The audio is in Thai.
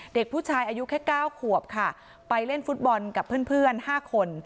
เด็กผู้ชายอายุแค่๙ขวบค่ะไปเล่นฟุตบอลกับเพื่อน๕คน